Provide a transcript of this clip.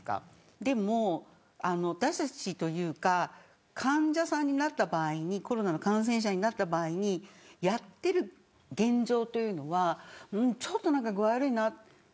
でも、私たちというか患者さんになった場合にコロナの感染者になった場合にやっている現状というのはちょっとなんか具合が悪いな。